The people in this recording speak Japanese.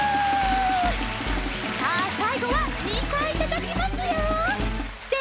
さあさいごは２かいたたきますよ。